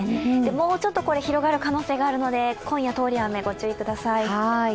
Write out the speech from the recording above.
もうちょっと広がる可能性があるので、今夜、通り雨にご注意ください。